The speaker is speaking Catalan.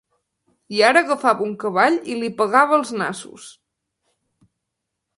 I ara agafava un cavall i li pegava als nassos.